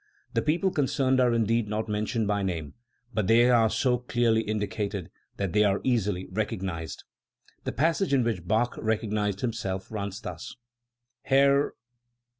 The people concerned are indeed not mentioned by name, but they are so clearly indicated that they are easily recognised. The passage in which Bach recognised himself runs thus: "Herr